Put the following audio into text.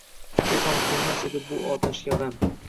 U ham qilmas edi bu otashga g’ash.